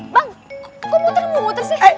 bang kok muter muter sih